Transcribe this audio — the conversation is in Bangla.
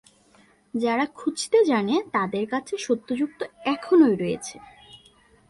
যারা খুঁজতে জানে, তাদের কাছে সত্যযুগ তো এখনই রয়েছে।